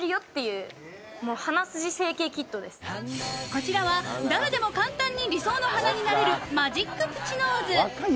こちらは、誰でも簡単に理想の鼻になれるマジックプチノーズ。